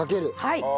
はい。